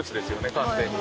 完全に。